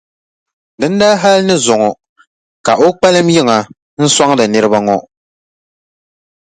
Dindali hali ni zuŋɔ ka o kpalim yiŋa n-sɔŋdi niriba ŋɔ.